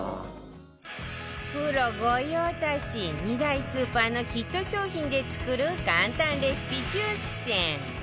プロ御用達２大スーパーのヒット商品で作る簡単レシピ１０選